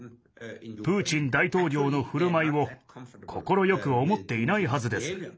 プーチン大統領のふるまいを快く思っていないはずです。